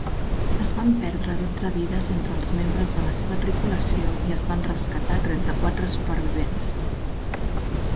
Es van perdre dotze vides entre els membres de la seva tripulació i es van rescatar trenta-quatre supervivents.